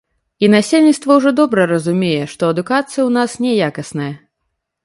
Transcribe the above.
І насельніцтва ўжо добра разумее, што адукацыя ў нас няякасная.